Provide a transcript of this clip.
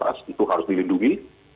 itu harus dilindungi